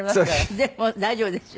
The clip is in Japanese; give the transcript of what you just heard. でも大丈夫ですよ。